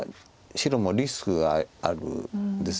白もリスクがあるんです。